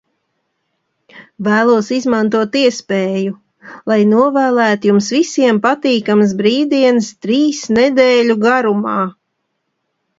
Vēlos izmantot iespēju, lai novēlētu jums visiem patīkamas brīvdienas trīs nedēļu garumā.